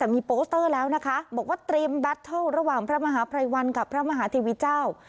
แต่มีโปสเตอร์แล้วนะคะบอกว่าเตรียมแบตเทิลระหว่างพระมหาภัยวันกับพระมหาเทวีเจ้า